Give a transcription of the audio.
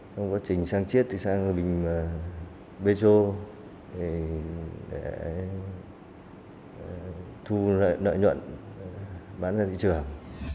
trong quá trình sang chiếc sang bình petro để thu nợ nhuận bán ra thị trường